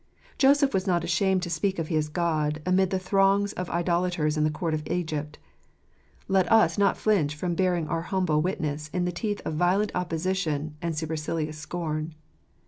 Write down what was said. Joseph was not ashamed to speak of his God amid the throng of idolaters in the court of Egypt : let us not flinch from bearing our humble witness in the teeth of violent opposi tion and supercilious scorn.